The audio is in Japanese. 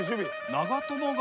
長友が？